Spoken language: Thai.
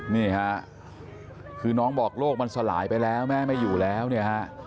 นี่ค่ะคือน้องบอกโลกมันสลายไปแล้วแม่ไม่อยู่แล้วเนี่ยฮะ